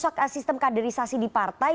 tidak merusak sistem kaderisasi di partai